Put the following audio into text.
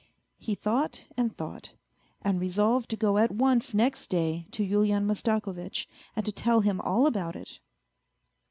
He thought and thought, and resolved to go at once next day to Yulian Mastakovitch, and to tell him all about it.